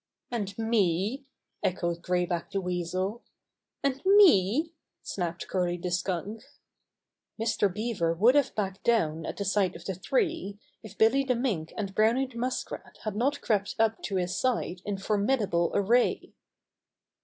"And me?" echoed Gray Back the Weasel. "And me?" snapped Curly the Skunk. Bobby's Friends Quarrel 101 Mr. Beaver would have backed down at the sight of the three, if Billy the Mink and Browny the Muskrat had not crept up to his side in formidable array.